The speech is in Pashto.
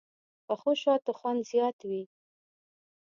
پخو شتو خوند زیات وي